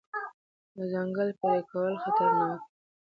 د ځنګل پرې کول خطرناک دي.